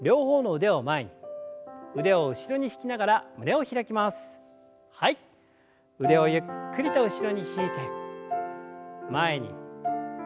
腕をゆっくりと後ろに引いて前に。